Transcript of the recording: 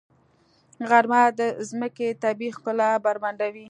غرمه د ځمکې طبیعي ښکلا بربنډوي.